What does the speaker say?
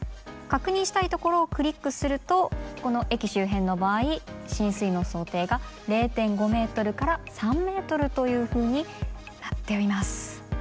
確認したいところをクリックするとこの駅周辺の場合浸水の想定が０．５ｍから３ｍというふうになっています。